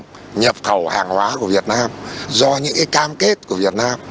nhập khẩu hàng hóa của việt nam do những cái cam kết của việt nam